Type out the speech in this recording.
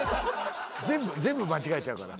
全部間違えちゃうから。